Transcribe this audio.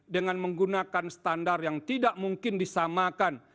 dengan menggunakan standar yang tidak mungkin disamakan